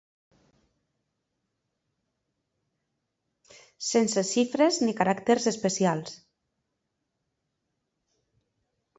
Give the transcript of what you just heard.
Sense xifres ni caràcters especials